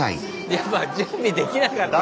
やっぱ準備できなかったんだ。